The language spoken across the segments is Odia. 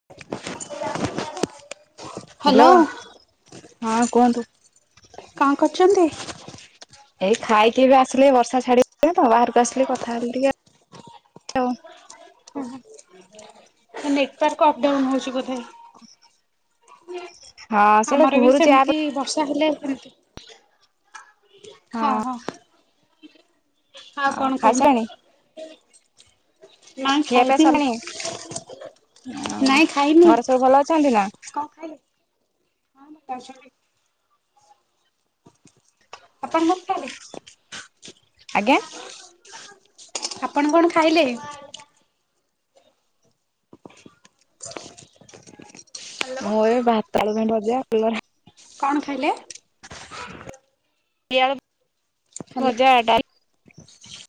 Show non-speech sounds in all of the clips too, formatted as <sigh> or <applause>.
<inaudible> ହାଲୋ ହଁ କୁହନ୍ତୁ। କଣ କରୁଚନ୍ତି? ଏଇ ଖାଇକି ଏଵେ ଆସିଲି ବର୍ଷା ଛାଡି ଗଲାତ ବାହାରକୁ ଆସିଲି କଥା <unintelligible> ଟିକେ ଆଉ। ଓ ହୋ ନେଟୱାର୍କ ଅପଡାଉନ ହୋଉଚି କୋଧେ? <inaudible> ହଁ ସେଇଟା ଆମର ବି ଘୁରୁଛି ଆ ସେମିତି ବର୍ଷା ହେଲେ ସେମତି ହଁ ହଁ ଆଉ କଣ କୁହନ୍ତୁ? ଖାଇସାରିଣି ନାାଇଁ ଖାଇଚି ମୁଁ। ଅ ହଁ ଘରେ ସବୁ ଭଲ ଅଛନ୍ତି ନା? <unintelligible> ଆପଣ <unintelligible> ଆଜ୍ଞା ଆପଣ କଣ ଖାଇଲେ? <inaudible> ମୁଁ ଏ ଭାତ <unintelligible> କଲରା। କଣ ଖାଇଲେ? ଡାଲି ଆଳୁ ହ୍ୟାଲୋ ଭଜା <unintelligible>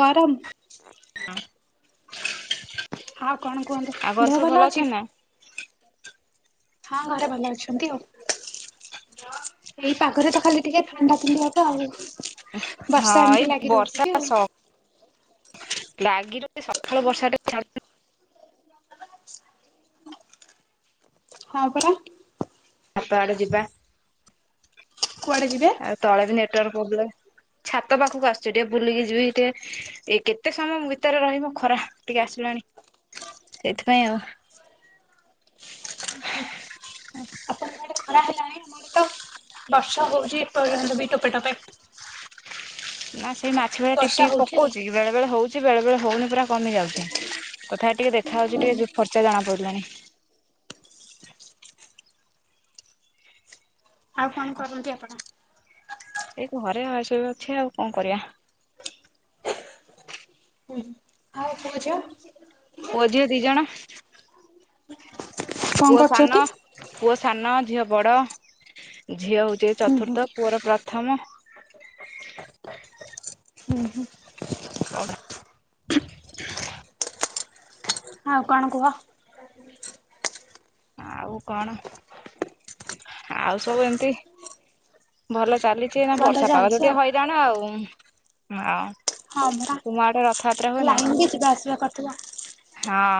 ଗରମ? <inaudible> ଆଉ କଣ କୁହନ୍ତୁ? ଆଉ ଘରେ ଦେହ ସବୁ ଭଲ ଅଛି? ଅଛନ୍ତି ନା ହଁ ଘରେ ଭଲ ଅଛନ୍ତି ଆଉ। ଏଇ ପାଗରେ ତ ଖାଲି ଟିକେ ଥଣ୍ଡା ଥଣ୍ଡି ହବ ଆଉ। ହଁ ବର୍ଷା ଏଇ ଏମିତି ଲାଗି ରହୁଛି ବର୍ଷା ଯେ ଆଉ। ସ ଲାଗି ରହୁଛି ସକାଳୁ ବର୍ଷା ଟା ହଁ ପରା ଛାତ ଆଡେ ଯିବା। କୁଆଡେ ଯିବେ? ଆଉ ତଳେ ବି ନେଟୱାର୍କ ପ୍ରୋବଲେମ୍ ଛାତ ପାଖକୁ ଆସୁଛ ଟିକେ ବୁଲିକି ଯିବି ଟିକେ ଏ କେତେ ସମୟ ଭିତରେ ରହିବ ଖରା ଟିକେ ଆସିଲାଣି ସେଇଥିପାଇଁ ଆଉ <inaudible> ଆପଣଙ୍କ ଆଡେ ଖରା ହେଲାଣି ଆମ ଆଡେ ତ ବର୍ଷା ହଉଛି ଏପଟେ ବି ଟୋପେ ଟୋପେ। ନା ସେଇ ଝିପ୍ ମାଛି ଝିପ୍ ଭଳିଆ ଟିପ ବର୍ଷା ଟିକ ହଉଛି ଆଉ। ପକଉଛି ବେଳେ ବେଳେ ହଉଛି ବେଳେ ବେଳେ ହଉନି ପୁରା କମି ଯାଉଛି। ତଥାପି ଟିକେ ଦେଖା ଯାଉଛି ଟିକେ ଫର୍ଚା ଜଣା ପଡିଲାଣି। ଆଉ କଣ କରନ୍ତି ଆପଣ? ଏଇ ଘରେ ଆସ ଅଛି ଆଉ କଣ କରିବା। ହୁଁ ଆଉ ପୁଅ ଝିଅ? ପୁଅ ଝିଅ ଦି ଜଣ କଣ ପୁଅ ସାନ କରୁଛନ୍ତି? ପୁଅ ସାନ ଝିଅ ବଡ଼ ଝିଅ ହଉଛି ହୁଁ ହୁଁ ଚତୁର୍ଥ। ପୁଅର ପ୍ରଥମ। ହୁଁ ହୁଁ। କଣ ଟା? ଆଉ କଣ କୁହ? ଆଉ କଣ। ଆଉ ସବୁ ଏମତି ଭଲ ଚାଲିଛି। ସେ ଏଇନା ଭଲ ବର୍ଷା ପାଗ ଚାଲିଛି ତ ଆଉ ଟିକେ ହଇରାଣ ଆଉ, ହାଁ ହଁ ପରା ଲାଇନ ବି ଯିବା ଆସିବା କରୁଥିଲା।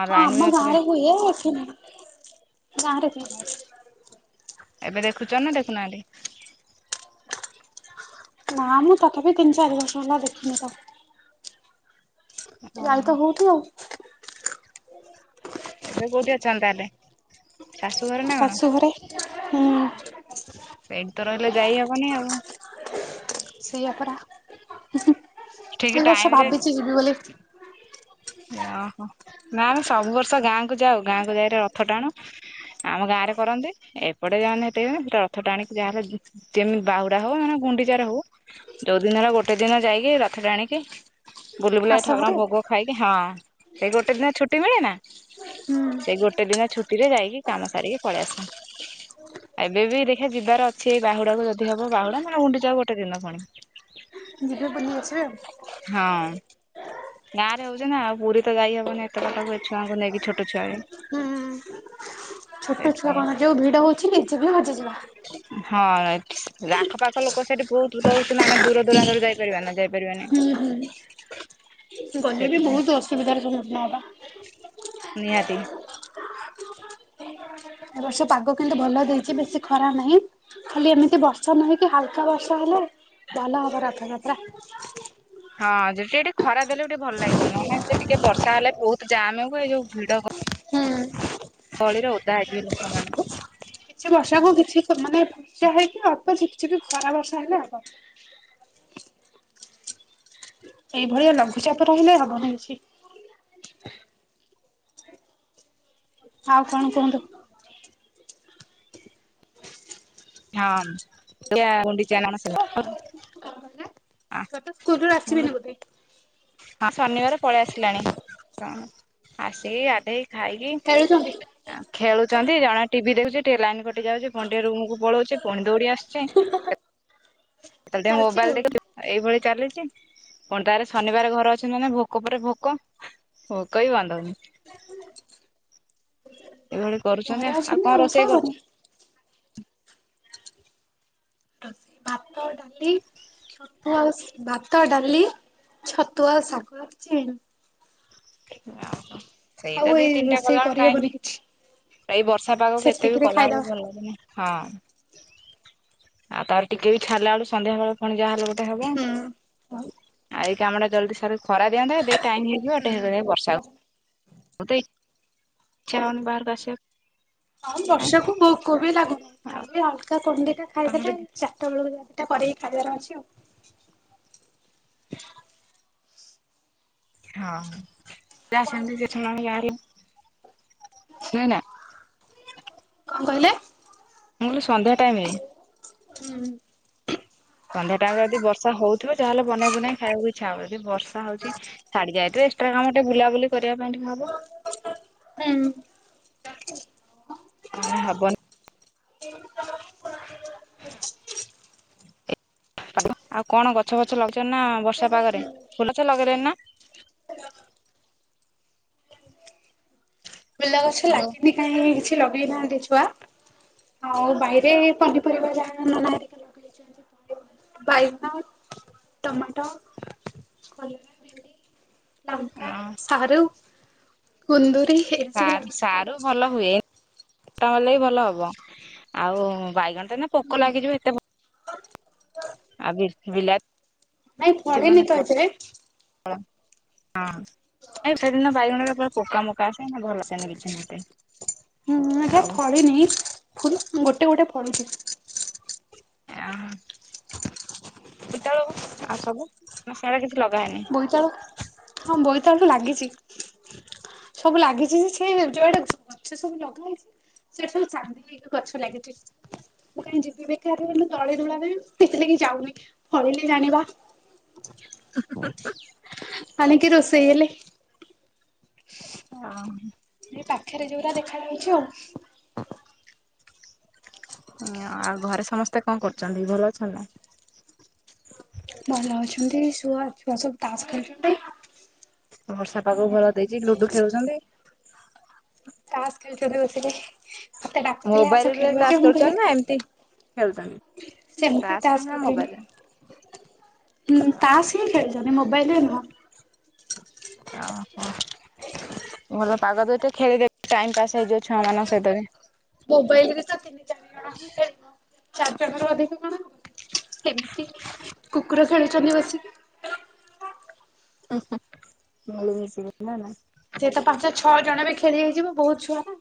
ହଁ ଲାଇନ ବି ଆମ ଗାଁ ନଥିଲା ରେ ହୁଏ ଏଠି ଗାଁରେ ହୁଏ। ଏବେ ଦେଖୁଛ ନା ଦେଖୁନାହାନ୍ତି? ନା ମ ତଥାପି ତିନି ଚାରି ବର୍ଷ ହେଲା ଦେଖିନି ତାକୁ। ଗାାଇ ଓହୋ ତ ହଉଥିଲେ ଆଉ। ଏବେ କୋଉଠି ଅଛନ୍ତି ତାହେଲେ ଶାଶୁ ଘରେ ନା କଣ? ଶାଶୁ ଘରେ ହୁଁ ଏଇଠି ତ ରହିଲେ ଯାଇ ହବନି ଆଉ। ସେଇଆ ପରା ଠିକ ଏଇ ଟାଇମ ବର୍ଷ ଭାବିଛି ଯିବି ବୋଲି। ଅହୋ ନା ଆମେ ସବୁ ବର୍ଷ ଗାଁକୁ ଯାଉ ଗାଁକୁ ଯାଇରେ ରଥ ଟାଣୁ। ଆମ ଗାଁରେ କରନ୍ତି ଏପଟେ ଯାଅନି ହେତ ସେ ରଥଟା ଆଣିକି ଯାହା ହେଲେ। ଯେମିତି ବାହୁଡା ହବ ମାନେ ଗୁଣ୍ଡିଚାର ହଉ ଯୋଉ ଦିନ ହେଲା ଗୋଟେ ଦିନ ଯାଇକି ରଥ ଟାଣିକି। ବୁଲି ବୁଲାକି ଆସ ଭାରି ଠାକୁରଙ୍କ ଆଉ ଭୋଗ ଖାଇକି ହଁ ଏଇ ଗୋଟେ ଦିନ ଛୁଟି ମିଳେନା। ହୁଁ ସେଇ ଗୋଟେ ଦିନ ଛୁଟିରେ ଯାଇକି କାମ ସାରିକି ପଳେଇଆସେ। ଏବେ ବି ଦେଖିବା ଯିବାର ଅଛି ଏଇ ବାହୁଡାକୁ ଯଦି ହବ ବାହୁଡା ନହେଲେ ଗୁଣ୍ଡିଚା ଯାଉ ଗୋଟେ ଦିନ ପୁଣି। ଯିବେ ବୁଲି ଆସିବେ ଆଉ। ହଁ ଗାଁରେ ରହୁଛୁ ନା ଆଉ ପୁରୀ ତ ଯାଇ ହବନି ଏତେ ପାଖକୁ ଏ ଛୁଆଙ୍କୁ ନେଇକି ଛୋଟ ଛୁଆ। ହୁଁ ଛୋଟ ଛୁଆ ସେଇଥିପାଇଁ କଣ ଯୋଉ ଭିଡ ହଉଛି ନିଜେ ବି ହଜିଯିବା। ହଁ ଆଖ ପାଖ ଲୋକ ସେଠି ବହୁତ ରହୁ ଛନ୍ତି ଆମେ ଦୂର ଦୂରାନ୍ତରୁ ଯାଇପାରିବା ନା ଯାଇପାରିବାନି। ହୁଁ ହୁଁ ଗଲେ ବି ସେଥିପାଇଁ ବହୁତ ଅସୁବିଧାର ସମ୍ମୁଖୀନ ହବା। ନିହାତି। ଏ ବର୍ଷ ପାଗ କିନ୍ତୁ ଭଲ ଦେଇଛି ବେଶୀ ଖରା ନାହିଁ। ଖାଲି ଏମିତି ବର୍ଷା ନହେଇକି ହାଲକା ବର୍ଷା ହେଲେ ଭଲ ହବ ରଥଯାତ୍ରା। ହଁ ଯଦି ଏଠି ଖରା ଦେଲେ ଟିକେ ଭଲ ଲାଗିବ, ନହେଲେ ଟିକେ ବର୍ଷା ହେଲେ ବହୁତ ଜାମ୍ ହୁ ଏ ଯୋଉ ଭିଡ। ହୁଁଉଁ ଗହଳିରେ ଓଦା ହେଇଯିବେ ଲୋକମାନେ। କିଛି ବର୍ଷାକୁ କିଛି ମାନେ ବର୍ଷା ହେଇକି ଅଳ୍ପ କିଛି ବି ଖରା ବର୍ଷା ହେଲେ ହବ। ଏଇଭଳିଆ ଲଘୁଚାପ ରହିଲେ ହବ ନାଇକି। ଆଉ କଣ କୁହନ୍ତୁ? ହଁ କ୍ୟା <inaudible> ଗୁଣ୍ଡିଚା ନାମ ସେ ଛୁଆ ତ ସ୍କୁଲ ରୁ ଆସିବେଣି ବୋଧେ ହଁ ଶନିବାର ପଳେଇ ଆସିଲାଣି ହଁ ଆସିକି ଗାଧେଇକିଖାଇକି, ଖେଳୁଛନ୍ତି। ଖେଳୁଛନ୍ତି ଜଣେ ଟିଭି ଦେଖୁଛି ଟିକେ ଲାଇନ କଟି ଯାଉଛି ପୁଣି ଟିକେ ରୁମକୁ ପଳଉଛି ପୁଣି ଦୌଡି ଆସୁଛି। <unintelligible> କେତେବେଳେ ଟିକେ ଚାଲିଛି ମୋବାଇଲ ଆଉ ଦେଖ <unintelligible> ଏଇଭଳି ଚାଲିଛି ପୁଣି ତାରେ ଶନିବାରେ ଘରେ ଅଛି ମାନେ ଭୋକ ପରେ ଭୋକ। ହ କାଇ ବାନ୍ଧନି ଏଇଭଳି କରୁଛନ୍ତି ଘରେ ଆଉ ଅଛନ୍ତି କଣ ରୋଷେଇ କରୁଛ? ହବନି। ଭାତ ରୁଟି, ସନ୍ଧ୍ୟା ବେଳସିକୁ ଭାତ ଡାଲି ଛତୁ ଆଉ ଶାଗ ଅଛି, ଓହୋ ସେଇତ ଆଉ ଦି ଏଇ ତିନିଟା ରୋଷେଇ କଲା ବେଳକୁ କରିହବନି ଟାଇମି। କିଛି ଏଇ ବର୍ଷା ପାଗକୁ ଏତେ ବି ସେତିକିରେ ଖାଇଦବା କଲାବେଳକୁ ଭଲ ଲାଗୁନି। ହଁ ଆଉ ତାର ଟିକେ ବି ଛାଡ଼ିଲା ବେଳକୁ ସନ୍ଧ୍ୟା ବେଳେ ପୁଣି ଯାହା ହେ, ଗୋଟେ ହବଆ ଏ ହୁଁ। ଇ କାମ ଟା ଜଲ୍ଦି ସାରି ଖରା ଦିଅନ୍ତା ଏ ଟାଇମ ହେଇଯିବ ଗୋଟେ ବର୍ଷା ମୋଟେ ଇଚ୍ଛା ହେଉନି ବାହାରକୁ ଆସିବା କୁ। ହଁ ବର୍ଷାକୁ ଭୋକୋ ବି ଆଉ ଲାଗୁନିଖାଲି ଅଲଗା କନ ଦି ଟା ତମର ଖାଇଦେଲେଯା। ସେତେବେଳାଟା କରିକି ଖାଇବାର ଅଛି ଆଉ। ହଁ ଯସ ଆାର ନ ନା <unintelligible> କଣ କହିଲେ? ମୁଁ କହଲି ସନ୍ଧ୍ୟା ଟାଇମେରେ, ହୁଁ <unintelligible> ସନ୍ଧ୍ୟା ଟାଇମ ରେ ଯଦି ବର୍ଷ ହଉଥିବ ତାହେଲେ ବନେଇ ବନେଇ ଖାଇବାକୁଇଛା, ଇଛା ହବ। ଜଉ ବର୍ଷା ହଉଛି ଛାଡି ଯାଇଥିବ ଏସଟ୍ରା କାମ ଟିକେ ବୁଲାବୁଲି। କରିବା ପାଇଁ ହବ ହୁଁ ନହେଲେ ହବନି। <unintelligible> ଆଉ କଣ ଗଛ ଫଛ ଲଗେଇଛ ନା ବର୍ଷା ପାଗରେ ଫୁଲଗ ଛ ଲଗେଇଲେ ନା! ଫୁଲ ଗଛ ହ୍ୟାଲୋ ଲାଗିନି କାହିଁ କିଛି ଲଗେଇ ନାହାନ୍ତି ଛୁଆ, ଆଉ ବାଇରେ ପନିପରିବା ଯାହା ନ ନାହେରିକା, ବାଇଗଣ ଟମାଟୋକଲରା। ଲଙ୍କା, ସାରୁ, କୁନ୍ଦୁରି। ଏରା ସବୁ ସାର୍ ଲାଗିଛି। ସାରୁ ଭଲ ହୁଏ ତାହେଲେ ବିି ଭଲ ହବ ଆଉ ବାଇଗଣ ତ ଏଇନା ହୁଁ। ପୋକ ଲାଗିଯିବ ଏତେ ଭ ଆଉ ବି-ବିଲା ନାଇ ଫଳେନିି ତ ଏବେ। ଫଳ ହଁ। ନାଇ ସେଦିନ ବାଇଗଣରେ ପୁରା ପୋକା ମୋକା ଆସେ ନା ଭଲ ଆସେନି କିଛି ନିହାତି। ହୁଁ <unintelligible> ଫ ଏନି। ଫୁଲ ଗୋଟେ ଗୋଟେ ଫଳିଛି। ଆ <unintelligible> ବେଳକୁ ଆଉ ସବୁ। ମୁଁ ସେରା କିଛି ଲଗା ବୋଇତାଳୁ ହଁ ବୋଇତାଳୁୁ ଲାଗିଛି। ସବୁ ଲାଗିଛି ଯେ ସେ ଯୁଆଡ଼େ ଗଛ ସବୁ ଲଗା ହେଇଛି। ସେଇଠି ସବୁ ଚାନ୍ଦି ହେଇକି ଗଛ ଲାଗିଛି। ମୁଁ କାହିଁ ଯିବି ବେକାର ହେଲେ ତଳେ ଯୋଉ ଗୁଡ଼ା ହେଇଚି ସେଥିଲାଗି ଯାଉନି ଫଳିଲେ ଜାଣିବା। ଆଣିକି ରୋଷେଇ ହେଲେ। ଅ ହଁ। ଏ ପାଖରେ ଯୋଉରା ଦେଖାଯାଉଛି ଆଉ। ହଁ ଆଉ ଘରେ ସମସ୍ତେ କଣ କରୁଛନ୍ତି ଭଲ ଅଛନ୍ତି ନା? ଭଲ ଅଛନ୍ତି ଶୁଆ ଛୁଆ ସବୁ ତାସ୍ ଖେଳୁଛନ୍ତି। ବର୍ଷା ପାଗ ଆଉ ଭଳିଆ ଦେଇଛି ଲୁଡୁ ଖେଳୁଛନ୍ତି। ତାସ ଖେଳୁଛନ୍ତି ବସିକି। ମତେ ଡାକୁଥିଲେ ଆସ ମୋବାଇଲରେ ଖେଳିବ ତାସ ଯେ ମୁଁ କହିଲି ଖେଳୁଛନ୍ତି ନା ଖା ଏମିତି? ଖେଳୁଛନ୍ତି ସେମିତି ରେ ତାସ ନା ମୋବାଇଲରେ? <unintelligible> ଉଁ ଓହୋ ତାସ। କିଏ ଖେଳୁଛନ୍ତି ମୋବାଇଲ ରେ ନୁହ। ଓହୋ ଭଲ ପାଗ ଦେଇଚି ଖେଳିବେ ଟାଇମ ପାସ୍ ହେଇଯିବ ଛୁଆ ମାନଙ୍କ ସହିତ ବି। ମୋବାଇଲ ରେ ତ ତିନି, ଚାରି ଜଣ ହିଁ ଖେଳିବ ଚାରି ଜଣ ରୁ ଅଧିକ କଣ ଖେ ଏମିତି କୁକୁର ଖେଳୁଛନ୍ତି ବସିକି। ଉଁ ହୁଁ ମୁଁ ବି ସେୟା ନୁହ ନା। ସିଏ ତ ପାଞ୍ଚ, ଛଅ ଜଣ ରେ ଖେଳି ହେଇଯିବ ବହୁତ ଛୁଆ ନା।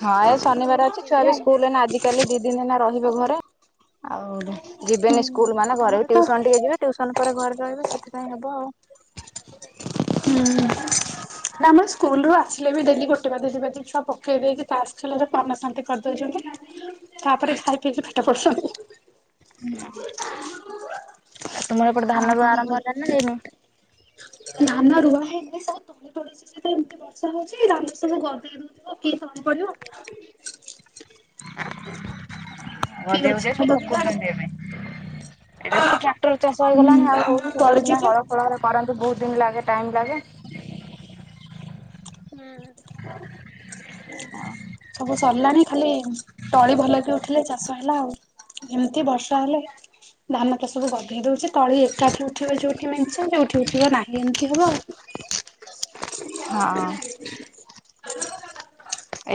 ହଁ ଏ ଶନିବାର ଅଛି ଛୁଆ ଏଇଆ ବି ଆଉ ସ୍କୁଲ <unintelligible> ଆଜିିକାଲି ଦି ଦିନ ଏଇନା ରହିବେ ଘରେ। ଆଉ ଯିବେନି ହୁଁ ସ୍କୁଲ ମାନେ ଘରେ ଆମର ବି ତ ଟିଉସନ ଟିକେ ହୁଁ ଯିବେ। ଟିଉସନ ପରେ ଘରେ ରହିବେ ସେଥିପାଇଁ ହବ ଆଉ। ହୁଁ। ନା ମ ସ୍କୁଲରୁୁ ଆସିଲେ ବି ଡେଲି ଗୋଟେ ବାଜି ଦି ବାଜି ଛୁଆ ପକେଇ ଦେଇକି ତାଷ ଖେଲରେ ମନ ଶାନ୍ତି କରିଦଉଛନ୍ତି ତାପରେ ଖାଇ ପିଇକି ପେଟ ପୋଷୁଛନ୍ତି। <unintelligible> ଆଉ ତୁମ ଏପଟେ ଆଉ ଧାନ ରୁଆ କଣ ଆରମ୍ଭ କୁହନ୍ତୁ? ହେଲାଣିି ନା ହେଇନି? ଧାନ ରୁଆ ହେଇନି ସବୁ ତଳେ ପଡିଚି ସେ ତ ଏମିତି ବର୍ଷା ହଉଛି ଧାନ ସବୁ ଗଦା <inaudible> କିଏ କଣ କରିବ? ଆ ଗଜେଇ ଫଜେଇ ଗଛ ସବୁ ହବ କେଜାଣି ପକଉଛନ୍ତି ଏବେ। ଏବେ ତ ଟ୍ରାକ୍ଟର ଚାଷ ହୁଁ ହେଇଗଲାଣି ଆଉ ହଉନି ସେତେବେଳେ ପଡୁଛି ସିନା ଯେ ହଳ। <unintelligible> କରନ୍ତି ବହୁତ ଦିନ ଲାଗେ ଟାଇମ୍ ଲାଗେ। ହୁଁ ଉଁ ହୁଁ। ସବୁ ସରିଲାଣି ଖାଲି ତଳି ଭଲକି ଉଠିଲେ ଚାଷ ହେଲା ଆଉ। ଏମିତି ବର୍ଷା ହେଲେ- ଧାନଟା ସବୁ ବଧେଇ ଦଉଛି ତଳି ଏକାଠି ଉଠିବ ଯୋଉଠି ମଞ୍ଚ ଯୋଉଠି ଉଠିବ ନାହିଁ ଏମିତି ହବ ଆଉ- ହଁ।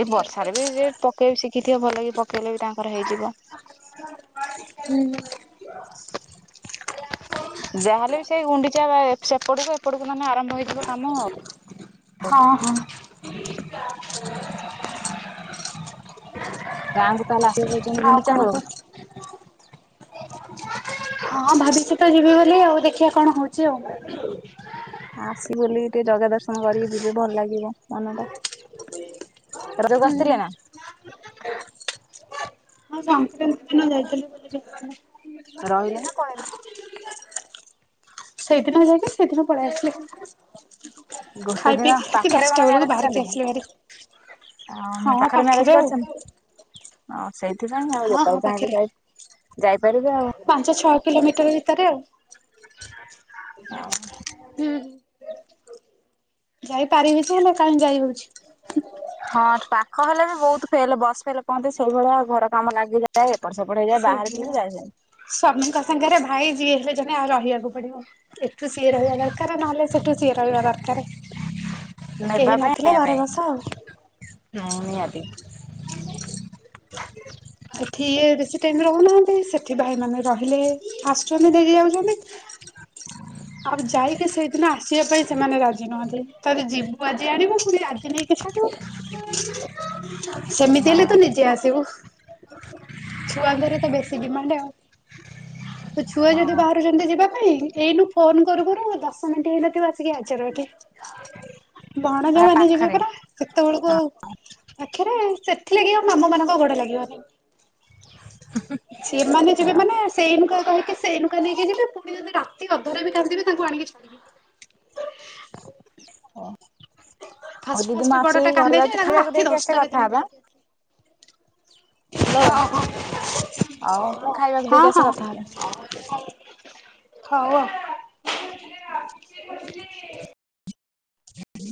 ଏଇ ବର୍ଷାରେ ବି ଯିଏ ପକେଇବି ଶିଖିଥିବ ଭଲ କି ପକେଇଲେ ବି ତାଙ୍କର ହେଇଯିବ ହୁଁ ହ <inaudible> ଯାହାହେଲେ ବି ସେଇ ଗୁଣ୍ଡିଚା ସେପଟକୁ ଏପଟକୁ ମାନେ ଆରମ୍ଭ ହେଇଯିବ କାମ ଆଉ ହଁ ହଁ ଗାଁଙ୍କୁ ତାହଲେ ଆସ ରଉଛନ୍ତି ଆଉ ଗୁଡି କଣ ଚାଉଳ କୁହ? ହଁ ଭାବିଚି ତ ଯିବି ବୋଲି ଆଉ ଦେଖିବା କଣ ହଉଛି ଆଉ ଆସିବୁ ବୁଲି କି ଟିକେ ଜଗା ଦର୍ଶନ କରିକି ଯିବେ ଭଲ ଲାଗିବ ମନ ଟା ହୁଁ ରଜକୁ ଆସିଥିଲେ ନା ହଁ ସଂକ୍ରାନ୍ତି ଦିନ ଯାଇଥିଲି ବୁଲିକି ଆସିଥିଲି ରହିଲେ ନା ପଳେଇଲେ ସେଇଦିନ ଯାଇକି ସେଇଦିନ ପଳେଇ ଆସିଲି ଗୋଟେ ଖାଇ ଦିନ ପିଇକି ରାତି ପାଖରେ କଣ ଦଶଟା ମ୍ୟାରେଜ ବେଳକୁ କରିଛନ୍ତି ବାହାରିକି କି? ଆସିଲି ହାରି ଆଉ ମ ପାଖରେ ମ୍ୟାରେଜ ଆଉ କରିଛନ୍ତି ହଁ ସେଇଥିପାଇଁ ଆଉ ହଁ ହଁ ଯେତେବେଳେ ପାଖରେ ଚାହିଁବେ ଯାଇ ଯାଇପାରିବେ ଆଉ ପାଞ୍ଚ ଛଅ କିଲୋମିଟର ଭିତରେ ଆଉ ହଁ ହୁଁ ଯାଇପାରିବି ଯେ ହେଲେ କାଇଁ ଯାଇ ହଉଛି ହଁ ପାଖ ହେଲେ ବି ବହୁତ ଫେଲେ ବସ ଫେଲେ କହନ୍ତି ସେଇଭଳିଆଉ ଘର କାମ ଲାଗିଯାଉଛି ଯ ଏପଟ ସେପଟ ହେଇଯାଏ ବାହାରେ ଥିଲେ ଯାଇ ହୁଏ ସ୍ବାମିଙ୍କ ସାଙ୍ଗରେ ଭାଇ ଯିଏ ହେଲେ ଜଣେ ଆଉ ରହିବାକୁ ପଡିବ ଏଠୁ ସିଏ ରହିବା ଦରକାର ନହେଲେ ସେଠି ସିଏ ରହିବା ଦରକାର କେହି ନଥିଲେ ଘରେ ବସ ଆଉ ହଁ ନିହାତି ଆ <inaudible> ଏଠି ଇଏ ବେଶୀ ଟାଇମରେ ରହୁନାହାନ୍ତି ସେଠି ଭାଇ ମାନେ ରହିଲେ ଆସୁଛନ୍ତି ଦେଇକି ଯାଉଛନ୍ତି ଆଉ ଯାଇକି ସେଇଦିନ ଆସିବା ପାଇଁ ସେମାନେ ରାଜି ନୁହନ୍ତି ତାେତେ ଯିବୁ ଆଜି ଆଣିବୁ ପୁଣି ଆ ଜି ନେଇକି ଛାଡ଼ିବୁ ସେମିତି ହେଲେ ତୁ ନିଜେ ଆସିବୁ ଛୁଆଙ୍କର ତ ବେଶୀ ଡିମାଣ୍ଡ ଆଉ ତ ଛୁଆ ଯଦି ହଁ ବାହାରୁଛନ୍ତି ଯିବା ପାଇଁ ଏଇନୁ ଫୋନ କରୁ କରୁ ଦଶ ମିନିଟ ହେଇନଥିବ ଆସିକି ହାଜର ଏଠି ଭଣଜା ପୁରା ମାନେ ଯିବେ ପାଖରେ ପରା ସେତେବେଳକୁ ଆଉ ଆଖିରେ ସେଥିଲାଗି ଆଉ ମାମୁଁ ମାନଙ୍କ ଗୋଡ ଲାଗିବନି ସେମାନେ ଯିବେ ମାନେ ସେଇନୁକା କହିକି ସେଇନୁକା ନେଇକି ଯିବେ ପୁଣି ଦିନ ରାତି ହବ ଅଧରେ ବି କାନ୍ଦିବେ ତାଙ୍କୁ ଆଣିକି ଛାଡ଼ିବେ ହଉ ଫାଷ୍ଟ ଦିଦି ମୁଁ ଫାଷ୍ଟ ବଡଟା ଆସୁଛି ଘରେ କାନ୍ଦେ ଯେ ଯାଉଛି ଖାଇବାକୁ ରାତି ଦେଇକି ଆସେ ଦଶଟାରେ ଦିନେ କଥା ହବା ଧରିକି ଆସିଲେ ହ୍ୟାଲୋ ଆଉ ଖାଇବାକୁ ଦେଇକି ହଁ ଆସେ ହଁ କଥା ହବା ହଉ ଆଉ ହୁଁ <inaudible>